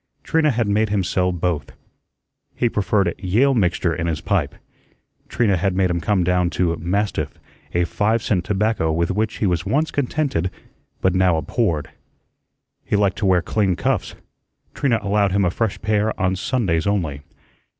Trina had made him sell both. He preferred "Yale mixture" in his pipe; Trina had made him come down to "Mastiff," a five cent tobacco with which he was once contented, but now abhorred. He liked to wear clean cuffs; Trina allowed him a fresh pair on Sundays only.